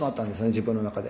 自分の中で。